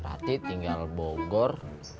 berarti tinggal bogor